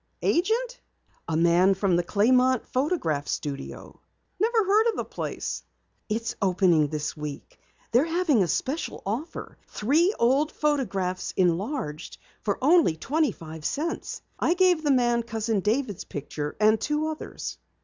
"Agent?" "A man from the Clamont Photograph Studio." "Never heard of the place." "It's opening this week. They're having a special offer three old photographs enlarged for only twenty five cents. I gave the man Cousin David's picture and two others."